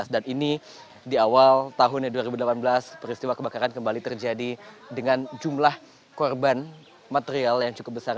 dan ini di awal tahunnya dua ribu delapan belas peristiwa kebakaran kembali terjadi dengan jumlah korban material yang cukup besar